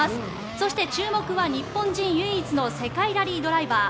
そして注目は日本人唯一の世界ラリードライバー